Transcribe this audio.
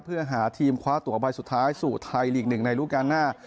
เพื่อหาทีมคว้าตั๋วใบสุดท้ายสู่ไทยหลีกหนึ่งในลูกการหน้า